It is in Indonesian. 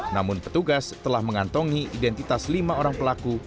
namun petugas telah mengantongi identitas lima orang pelaku